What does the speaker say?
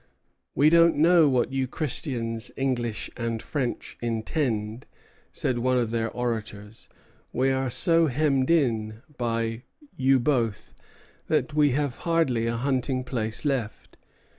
"We don't know what you Christians, English and French, intend," said one of their orators. "We are so hemmed in by you both that we have hardly a hunting place left.